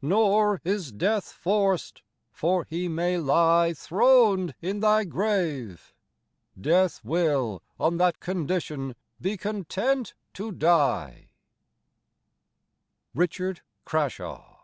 Nor is Death forc't ; for may he ly Thron'd in Thy Grave, Death will on that condition be content to dye. Richard Crashaw.